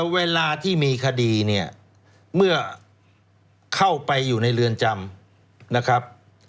เวลาที่มีคดีเนี่ยเมื่อเข้าไปอยู่ในเรือนจำนะครับ